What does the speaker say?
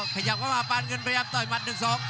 ขยับเข้ามาปานเงินพยายามต่อยหมัด๑๒